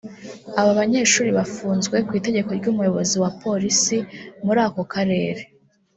Aba banyeshuri bafunzwe ku itegeko ry’Umuyobozi wa Polisi muri ako karere